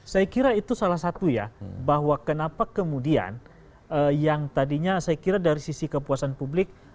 saya kira itu salah satu ya bahwa kenapa kemudian yang tadinya saya kira dari sisi kepuasan publik